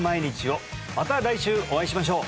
また来週お会いしましょう！